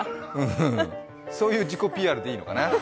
そういう自己ＰＲでいいのかな。